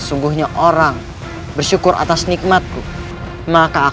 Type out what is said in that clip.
ada orang yang kufur